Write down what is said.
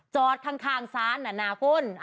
จอดข้างซ้านนะนาพุ่น